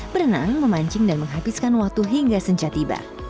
berenang memancing dan menghabiskan waktu hingga senja tiba